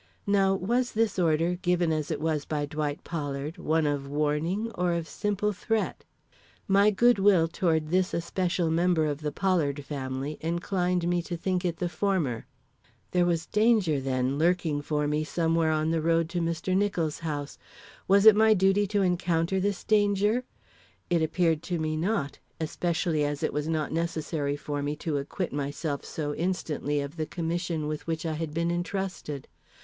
Now was this order, given as it was by Dwight Pollard, one of warning or of simple threat? My good will toward this especial member of the Pollard family inclined me to think it the former. There was danger, then, lurking for me somewhere on the road to Mr. Nicholls' house. Was it my duty to encounter this danger? It appeared to me not, especially as it was not necessary for me to acquit myself so instantly of the commission with which I had been intrusted.